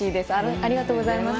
ありがとうございます。